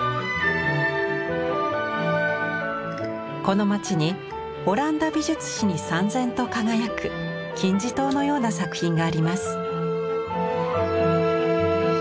この街にオランダ美術史にさん然と輝く金字塔のような作品があります。